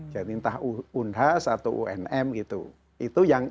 jadi entah unhas atau unm gitu itu yang